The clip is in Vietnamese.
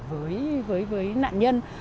với nạn nhân